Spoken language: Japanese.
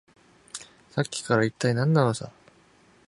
さっきから、いったい何なのさ。